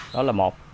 đó là một